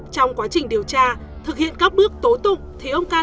trong quá trình điều tra thực hiện các bước tố tụng